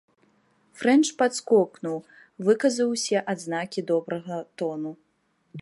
Фрэнч падскокнуў, выказаў усе адзнакі добрага тону.